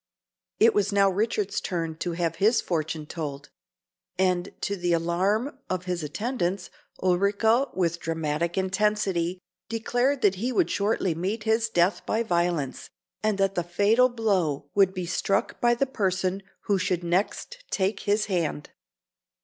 It was now Richard's turn to have his fortune told; and to the alarm of his attendants, Ulrica, with dramatic intensity, declared that he would shortly meet his death by violence, and that the fatal blow would be struck by the person who should next take his hand.